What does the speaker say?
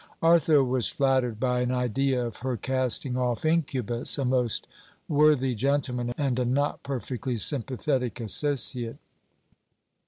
Arthur was flattered by an idea of her casting off incubus a most worthy gentleman, and a not perfectly sympathetic associate.